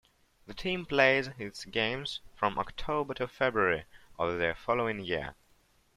The team plays its games from October to February of the following year.